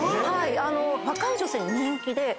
若い女性に人気で。